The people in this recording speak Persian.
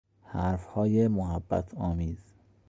حرفهای محبتآمیز